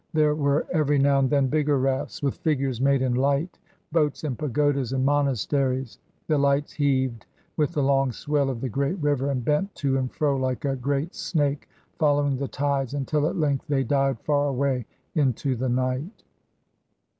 There were every now and then bigger rafts, with figures made in light boats and pagodas and monasteries. The lights heaved with the long swell of the great river, and bent to and fro like a great snake following the tides, until at length they died far away into the night.